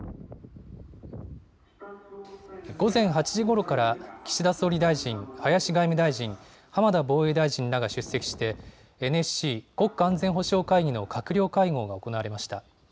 午前８時ごろから岸田総理大臣、林外務大臣、浜田防衛大臣らが出席してＮＳＣ・国家安全保障会議の閣僚会合が行われました。